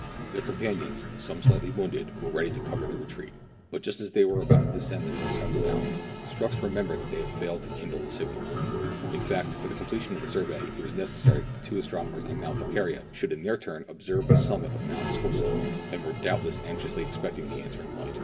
Their companions, some slightly wounded, were ready to cover their retreat, but just as they were about to descend the north side of the mountain, Strux remembered that they had failed to kindle the signal. In fact, for the completion ot the survey, it was necessary that the two astronomers on Mount Volquiria should in their turn observe the summit of Mount Scorzef, and were doubtless anxiously expecting the answering light.